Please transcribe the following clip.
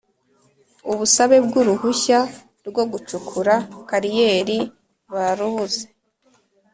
Ubusabe bw’ uruhushya rwo gucukura kariyeri barubuze.